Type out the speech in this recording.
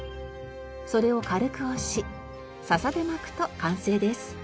それを軽く押し笹で巻くと完成です。